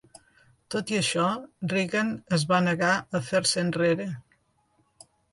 Tot i això, Reagan es va negar a fer-se enrere.